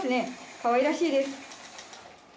かわいらしいです。